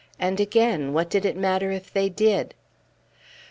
And again, what did it matter if they did?